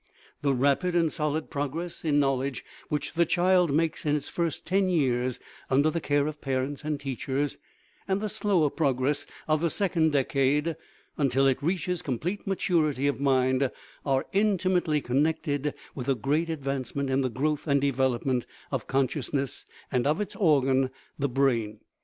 The rapid and solid progress in knowl edge which the child makes in its first ten years, under the care of parents and teachers, and the slower progress of the second decade, until it reaches complete maturity of mind, are intimately connected with a great advance ment in the growth and development of consciousness and of its organ, the brain.